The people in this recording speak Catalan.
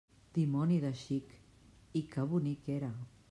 Dimoni de xic, i que bonic era!